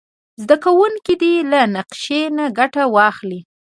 زده کوونکي دې له نقشې نه ګټه واخلي.